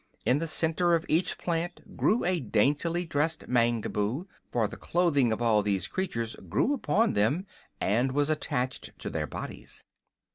In the center of each plant grew a daintily dressed Mangaboo, for the clothing of all these creatures grew upon them and was attached to their bodies.